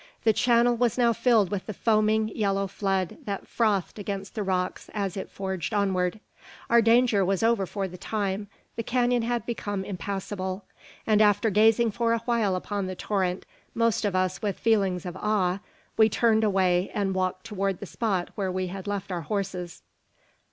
The channel was now filled with the foaming yellow flood that frothed against the rocks as it forged onward. Our danger was over for the time. The canon had become impassable; and, after gazing for a while upon the torrent, most of us with feelings of awe, we turned away, and walked toward the spot where we had left our horses.